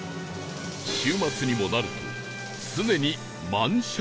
週末にもなると常に満車状態！